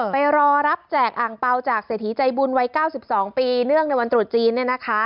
ไปรอรับแจกอ่างเปล่าจากเศรษฐีใจบุญวัย๙๒ปีเนื่องในวันตรุษจีน